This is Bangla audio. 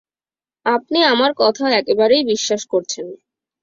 আপনি আমার কথা একেবারেই বিশ্বাস করছেন না?